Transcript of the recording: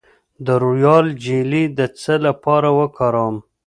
د رویال جیلی د څه لپاره وکاروم؟